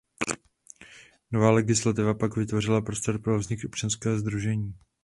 Nová legislativa pak vytvořila prostor pro vznik občanského sdružení.